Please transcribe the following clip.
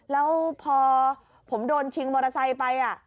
แล้วพอผมโดนชิงมอเตอร์ไซค์ไป